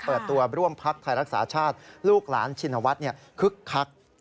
เปิดตัวร่วมพักไทยรักษาชาติลูกหลานชินวัฒน์คึกคัก